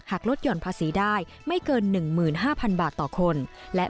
หักลดหย่อนภาษีได้ไม่เกินหนึ่งหมื่นห้าพันบาทต่อคนและ